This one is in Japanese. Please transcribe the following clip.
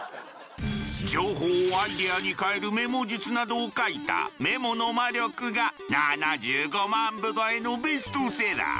情報をアイデアに変えるメモ術などを書いた「メモの魔力」が７５万部超えのベストセラー。